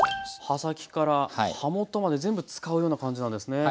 刃先から刃元まで全部使うような感じなんですね。